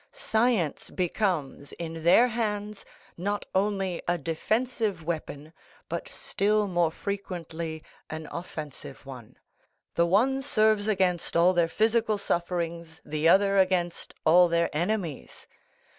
Science becomes, in their hands, not only a defensive weapon, but still more frequently an offensive one; the one serves against all their physical sufferings, the other against all their enemies.